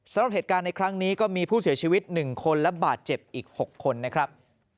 สำหรับเหตุการณ์ในครั้งนี้ก็มีผู้เสียชีวิต๑คนและบาดเจ็บอีก๖คนนะครับ